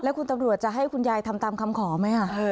คุณตำรวจจะให้คุณยายทำตามคำขอไหม